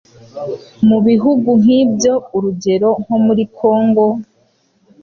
Mu bihugu nk'ibyo, urugero nko muri Kongo,